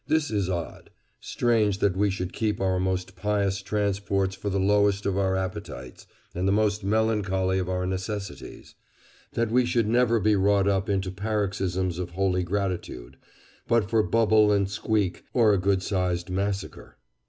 This is odd. Strange that we should keep our most pious transports for the lowest of our appetites and the most melancholy of our necessities; that we should never be wrought up into paroxysms of holy gratitude, but for bubble and squeak or a good sized massacre!"